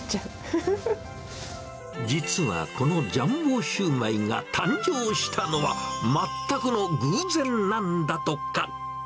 実はこのジャンボシューマイが誕生したのは、全くの偶然なんだとか。